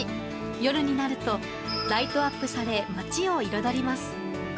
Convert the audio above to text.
夜になるとライトアップされ、街を彩ります。